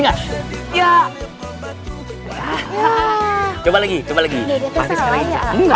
gajah di balik pangkatku batunya hilang